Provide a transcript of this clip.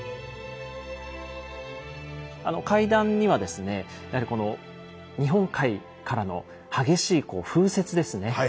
階段にはですねやはりこの日本海からの激しい風雪ですね